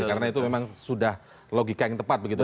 karena itu memang sudah logika yang tepat begitu pak